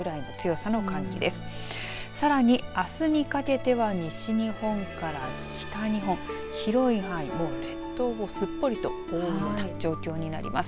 さらにあすにかけては西日本から北日本、広い範囲列島をすっぽりと覆う状況になります。